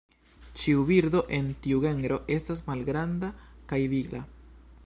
Ĉiu birdo en tiu genro estas malgranda kaj vigla.